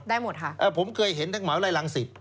ได้หมดค่ะผมเคยเห็นทั้งมหาวิทยาลัยรังศิษฐ์